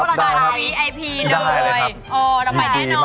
เออเพราะว่าอะไรรู้ไหมเพราะว่านางรู้จักกับสามีดีจ้ะ